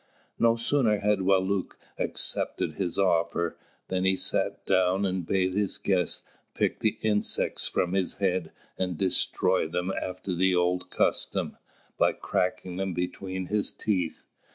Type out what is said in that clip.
No sooner had Wālūt accepted his offer, than he sat down and bade his guest pick the insects from his head and destroy them, after the old custom, by cracking them between his teeth.